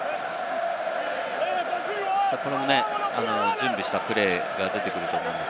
ここも準備したプレーが出てくると思います。